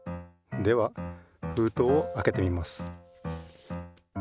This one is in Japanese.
ではふうとうをあけてみます。